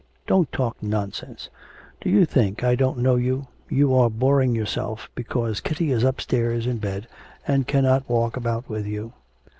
'Don't talk nonsense, do you think I don't know you; you are boring yourself because Kitty is upstairs in bed and cannot walk about with you.'